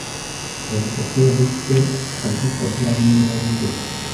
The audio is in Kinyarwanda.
Bavuga ko yaretse akazi fabien niwe wabivuze